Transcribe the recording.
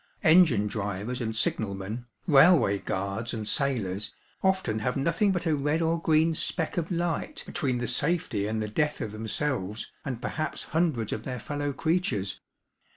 Engine drivers and signal men, railway guards and sailors, often have nothing but a red or green speck of light between the safety and the death of themselves and perhaps hundreds of their fellow creatures.